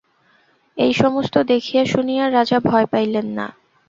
এই সমস্ত দেখিয়া শুনিয়া রাজা ভয় পাইলেন না।